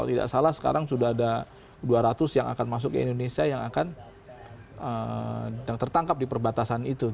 kalau tidak salah sekarang sudah ada dua ratus yang akan masuk ke indonesia yang akan tertangkap di perbatasan itu